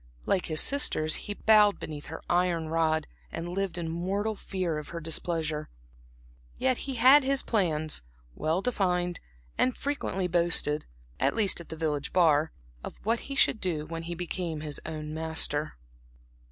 Like his sisters, he bowed beneath her iron rod and lived in mortal fear of her displeasure. Yet he had his plans, well defined, and frequently boasted (at least at the village bar) of what he should do when he became his own master.